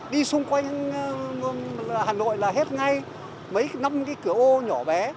đi xung quanh hà nội là hết ngay mấy năm cái cửa ô nhỏ bé